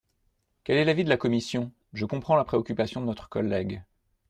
Quel est l’avis de la commission ? Je comprends la préoccupation de notre collègue.